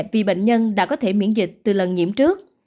vì bệnh nhân đã có thể miễn dịch từ lần nhiễm trước